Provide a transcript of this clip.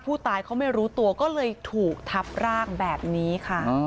ผู้ตายเขาไม่รู้ตัวก็เลยถูกทับร่างแบบนี้ค่ะ